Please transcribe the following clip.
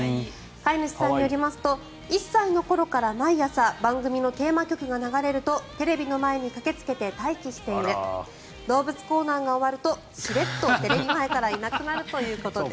飼い主さんによりますと１歳の頃から毎朝、番組のテーマ曲が流れるとテレビの前に駆けつけて待機している動物コーナーが終わるとしれっとテレビ前からいなくなるということです。